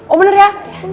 oh bener ya